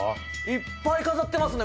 いっぱい飾ってますね。